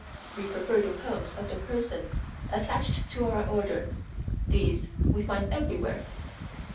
We prefer the homes of the persons attached to our order; these we find everywhere."